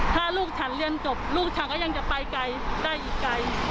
ถ้าลูกฉันเรียนจบลูกฉันก็ยังจะไปไกลได้อีกไกล